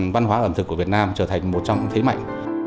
văn hóa ẩm thực của việt nam trở thành một trong những thế mạnh